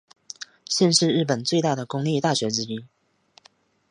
现是日本最大的公立大学之一。